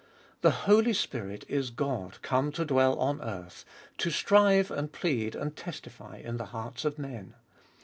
The Holy Spirit is God come to dwell on earth, to strive and plead and testify in the hearts of men.